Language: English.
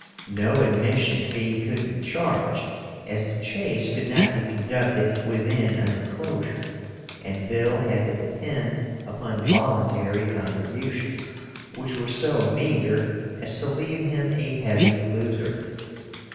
No admission fee could be charged, as the chase could not be conducted within an enclosure, and Bill had to depend upon voluntary contributions, which were so meagre as to leave him a heavy loser.